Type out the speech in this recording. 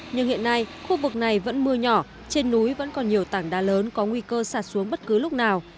nhưng hiện nay khu vực này vẫn mưa nhỏ trên núi vẫn còn nhiều tảng đá lớn có nguy cơ sạt xuống bất cứ lúc nào